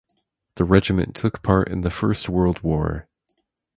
The regiment took part in the First World War.